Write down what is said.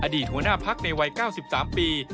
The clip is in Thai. อดีตหัวหน้าพักในวัย๙๓ปี